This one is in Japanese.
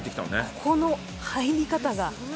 ここの入り方が。